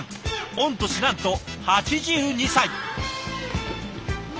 御年なんと８２歳。